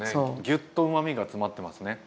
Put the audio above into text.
ギュッとうまみが詰まってますね。